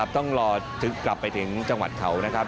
ต้องรอกลับไปถึงจังหวัดเขานะครับ